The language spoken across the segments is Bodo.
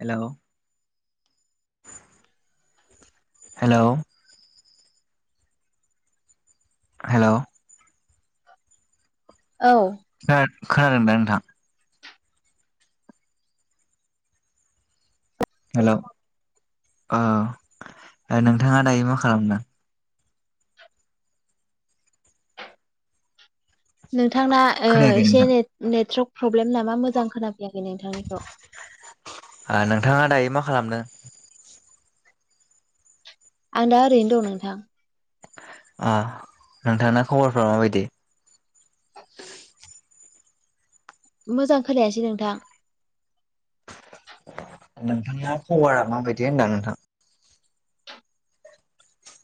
हेल' हेलौ हेल' औ खोनादों दा नोंथां हेल' औ नोंथाङा दायो मा खालामदों [inaudible] नोंथांना खोनायाखै एसे नोंथां। नेटवर््क प्रब्लेम नामा मोजां खोनाफैयाखै नोंथांनिखौ नोंथाङा दायो मा खालामदों आं दा ओरैनो दं नोंथां अ नोंथांा खबरफ्रा माबायदि मोजां खोलायासै नोंथां नोंथां खबरा माबायदि होनदां नोंथां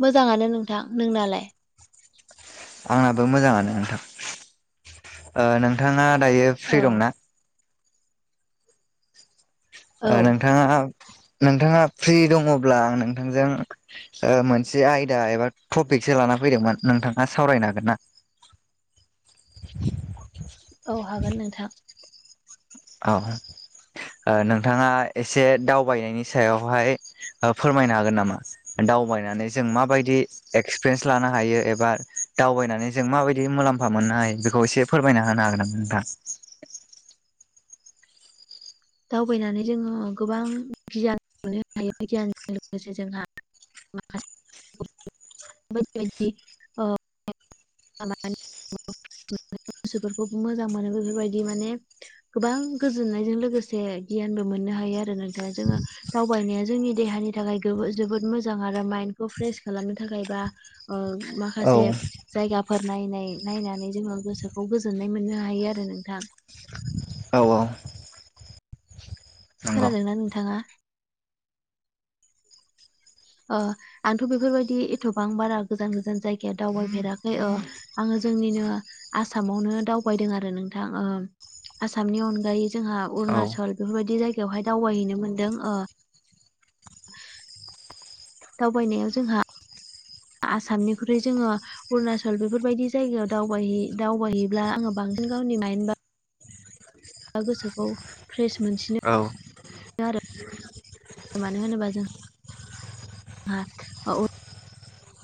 मोजाङानो नोंथां नोंनालाय आंनाबो मोजाङानो नोंथां नोंथाङा दायो औ फ्रि दंनाा औ नोंथाङा नोंथाङा फ्रि दङब्ला आं नोंथांजों मोनसे आयदा एबा टपिकसो लाना फैदोंमोन नोंथाङा सावरायनो हागोन ना औ हागोन नोंथां औ नोंथाङा एसे दावबायनायनि सायावहाय फोरमायनो हागोन नामा दावबायनानै जों माबायदि एक्सपिरियेन्स लानो हायो एबा दावबायनानै जों माबायदि मुलाम्फा मोननो हायो बेखौ एसे फोरमायना होनो हागोन नामा नोंथां दावबायनानै जोङो गोबां गियान मोननो हायो गियानजों लोगोसे जोंहा बदि बदि [unintelligible] [unintelligible] गोसोफोरखौ मोजां मोनो बेफोरबायदि माने गोबां गोजोननायजों लोगोसे जे गियानबो मोननो हायो आरो नोंथांङा जोंङो दावबायनाया जोंनि देहानि थाखाय गोबो जोबोद मोजां आरो माइन्डखौ फ्रेस खालामनो थाखायबा ओम औ माखासे जायगाफोर नायनाय नायनानै जोंङो गोसोखौ गोजोननाय मोननो हायो आरो नोंथां। औ-औ! खोनादोंना नोंथाङा आंथ' बेफोरबायदि एथबां बारा गोजान गोजान जायगाया दावबायफेराखै आंङो जोंनिनो आसामावनो दावबायदों आरो नोंथां ओ! आसामनि अनगायै जोंहा औ अरुणाचल बेफोरबायदि जायगायावहाय दावबायहैनो मोनदों ओ [unintelligible] [inaudible] दावबायनायाव जोंहा आसामनिख्रुइ जोंङो अरुणाचल बेफोरबायदि जायगायाव दावबायहै दावबायहैब्ला आंङो बांसिन गावनि माइन [unintelligible] गोसोखौ फ्रेस मोनसिनो औ [inaudible] आरो मानो होनोबा [inaudible] [unintelligible]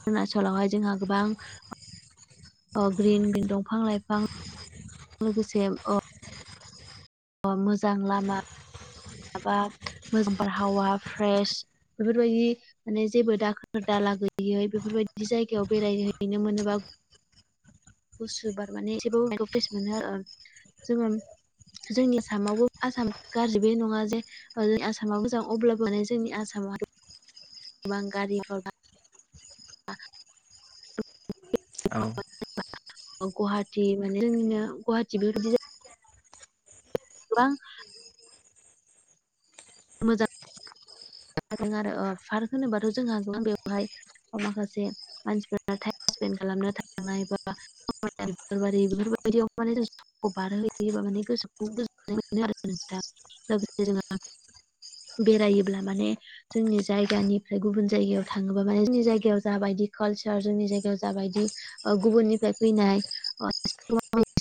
अरुणाचलावहाय जोंहा गोबां अ ग्रिन-ग्रिन दंफां लाइफां लोगोसे अ अ मोजां लामा माबा मोजां बारहावा फ्रेस बेफोरबायदि माने जेबो दाखोर दाला गैयै बेफोरबायदि जायगायाव बेरायहैनो मोनोबा गुसुबार माने एसे फ्रेस मोनो आरो जोंङो जोंनि आसामावबो आसाम गाज्रि बे नंङा जे ज आसामा मोजां अब्लाबो माने जोंनि आसामाव गोबां [unintelligible] [unintelligible] औ [unintelligible] गुवाहाटि माने जोंनिनो गुवाहाटि बेफोरबादि [unintelligible] गोबां [unintelligible] [unintelligible] आरो पार्क होनोबाथ' जोंहा गोबां बेवहाय माखासे मानसिफोरा टाइम स्पेन्ड खालामनो थांनाय बा बेफोर बायदियाव बारहोयोबा माने गोसोखौ गोजोननाय मोनो आरो नोंथा लोगोसे जोंहा बेरायोब्ला माने जोंनि जायगानिफ्राय गुबुन जायगायाव थांङोबा माने जोंनि जायगायाव जाबायदि कालसार जोंनि जायगायाव जाबायदि ओ गुबुननिफ्राय फैनाय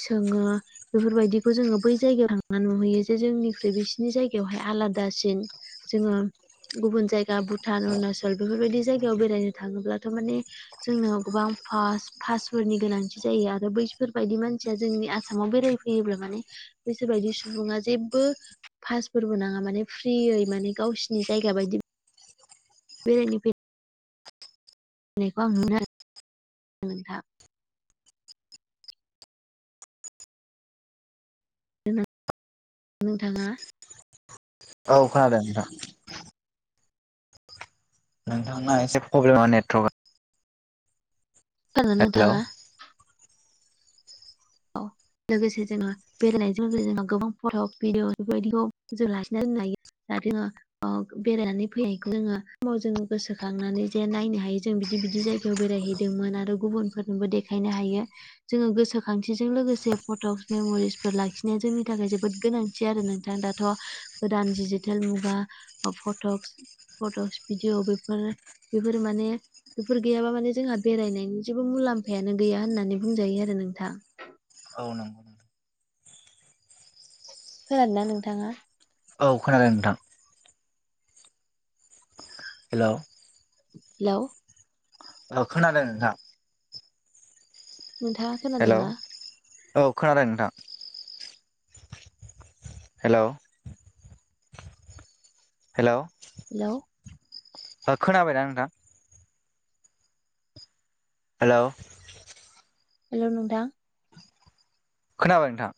सोंङो बेफोरबायदिखौ जोंङो बै जायगायाव थांनानै नुहैयो जे जोंनिख्रुइ बिसिनि जायगायावहाय आलादासिन! जोंङो गुबुन जायगा भुटान अरुणाचल बेफोरबायदि जायगायाव बेरायनो थाङोब्लाथ' माने जोंनाव गोबां पास-पासफोरनि गोनांथि जायो आरो बैफोरबायदि मानसिया जोंनि आसामाव बेराय फैयोब्ला माने बिसोर बायदि सुबुंङा जेबबो फासफोरबो नांङा माने फ्रियै माने गावसिनि जायगा बायदि बेरायनो फै नायखौ आं नु [unintelligible] आरो नोंथां। [unintelligible] नोंथांङा औ खोनादों नोंथां! नोंथांना एसे प्रब्लेम [unintelligible] नेटवर्कआ [unintelligible] हेलौ नोंथांङा? औ लोगोसे जोंहा बेरायनायजों लोगोसे जों [unintelligible] गोबां फट' भिडिअ बेफोरबायदिखौ जों लाखिना दोननो हायो दा जोंङो ओ बेरायनानै फैनायखौ जोङो समाव जोङो गोसोखांनानै जे नायनो हायो जों बिदि बिदि जायगायाव बेरायहैदोंमोन आरो गुबुनफोरनोबो देखायनो हायो जोङो गोसो मासिजों लोगोसे फटक्स मेमरिसफोर लाखिनाया जोंनि थाखाय जोबोद गोनांथि आरो नोंथां दाथ' गोदान डिजिटेल मुगा फटक्स फट'स भिडिअ बेफोर बेफोर माने बेफोर गैयाबा माने जोंहा बेरायनायनि जेबो मुलाम्फायानो गैया होननानै बुंजायो आरो नोंथां। औ नंगौ खोनादों ना नोंथाङा औ खोनादों नोंथां! हेल' हेल' खोनादों नोंथहा नोंथाङा हेल' खोनादोंना औ खोनादों नोंथां हेलौ हेलौ हेल' खोनाबायना नोंथां? हेलौ हेल' नोंथां खोनाबाय नोंथां